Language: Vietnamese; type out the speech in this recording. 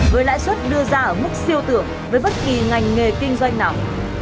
với lãi suất đưa ra ở mức siêu tưởng với bất kỳ ngành nghề kinh doanh nào